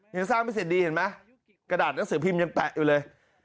ยังสร้างไม่เสร็จดีเห็นไหมกระดาษหนังสือพิมพ์ยังแปะอยู่เลย